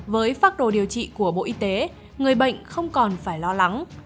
với pháp đồ điều trị của bộ y tế người bệnh không còn phải lo lắng